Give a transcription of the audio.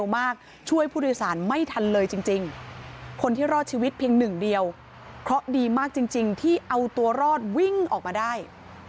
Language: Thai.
มากจริงที่เอาตัวรอดวิ่งออกมาได้